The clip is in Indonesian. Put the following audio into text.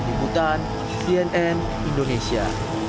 ibutan cnn indonesia